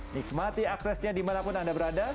nikmati aksesnya dimanapun anda berada